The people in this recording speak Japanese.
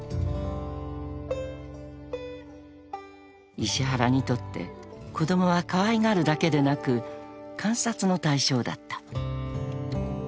［石原にとって子供はかわいがるだけでなく観察の対象だった］